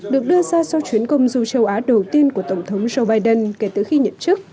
được đưa ra sau chuyến công du châu á đầu tiên của tổng thống joe biden kể từ khi nhậm chức